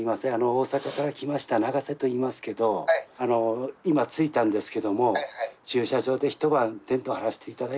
大阪から来ました永瀬といいますけどあの今着いたんですけども駐車場で一晩テント張らして頂いて。